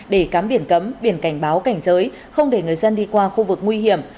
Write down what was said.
để cắm biển cấm biển cảnh báo cảnh giới không để người dân đi qua khu vực nguy hiểm